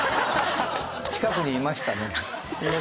近くにいましたね。